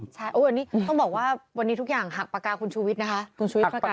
ใช่ต้องบอกว่าวันนี้ทุกอย่างหักปากกาคุณชูวิทรนะคะ